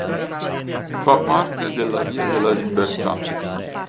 Fa parte della "Via della Libertà".